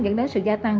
dẫn đến sự gia tăng